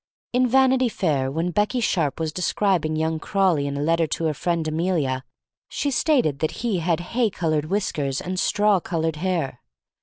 In "Vanity Fair/' when Beckey Sharpe was describing young Crawley in a letter to her friend Amelia, she stated that he had hay colored whiskers and straw colored hair.